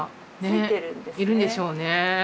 いるんでしょうね。